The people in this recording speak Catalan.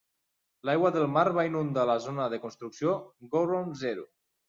L'aigua del mar va inundar la zona de construcció Gorund Zero.